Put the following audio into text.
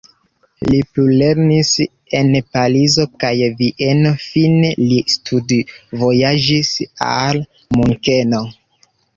Li plulernis en Parizo kaj Vieno, fine li studvojaĝis al Munkeno.